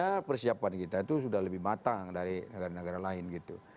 ya persiapan kita itu sudah lebih matang dari negara negara lain gitu